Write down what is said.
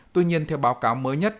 tuy nhiên theo báo cáo mới nhất